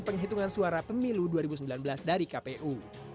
penghitungan suara pemilu dua ribu sembilan belas dari kpu